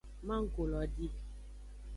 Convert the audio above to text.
Manggo lo di.